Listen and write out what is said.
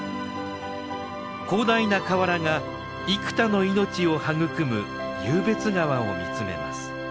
広大な河原が幾多の命を育む湧別川を見つめます。